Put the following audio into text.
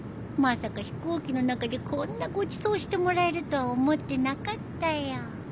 まさか飛行機の中でこんなごちそうしてもらえるとは思ってなかったよ